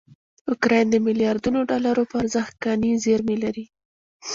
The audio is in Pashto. اوکراین دمیلیاردونوډالروپه ارزښت کاني زېرمې لري.